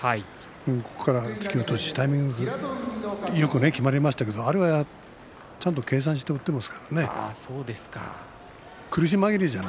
ここから突き落としタイミングよくきまりましたけどあれはちゃんと計算して打っていますからね。